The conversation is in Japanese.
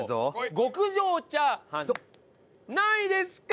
極上炒飯何位ですか？